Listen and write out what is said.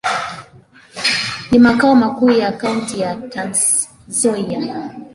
Ni makao makuu ya kaunti ya Trans-Nzoia.